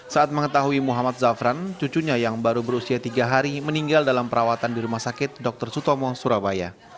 saat mengetahui muhammad zafran cucunya yang baru berusia tiga hari meninggal dalam perawatan di rumah sakit dr sutomo surabaya